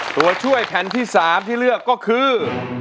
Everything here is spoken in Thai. ตัวช่วยแผ่นที่๓ที่เลือกก็คือ